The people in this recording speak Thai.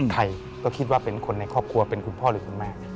ใครก็คิดว่าเป็นคนในครอบครัวเป็นคุณพ่อหรือคุณแม่